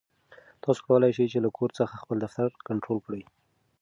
تاسو کولای شئ چې له کور څخه خپل دفتر کنټرول کړئ.